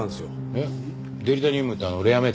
えっデリタニウムってあのレアメタルの？